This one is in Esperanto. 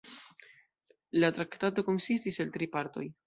La Traktato konsistis el tri partoj.